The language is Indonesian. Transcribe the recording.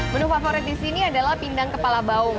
menu favorit di sini adalah pindang kepala baung